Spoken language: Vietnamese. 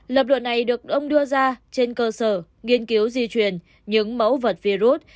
lập luận này được ông đưa ra trên cơ sở nghiên cứu di truyền những mẫu vật virus